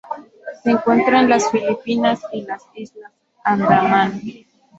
Se encuentran en las Filipinas y las Islas Andamán.